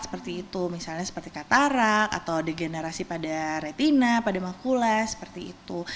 seperti itu misalnya seperti katarak atau degenerasi pada retina pada macula seperti itu